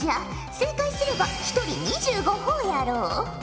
正解すれば１人２５ほぉやろう。